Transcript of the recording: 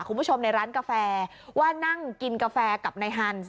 คุณผู้ชมในร้านกาแฟว่านั่งกินกาแฟกับนายฮันส์